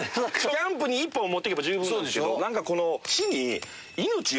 キャンプに１本持ってけば十分なんですけど。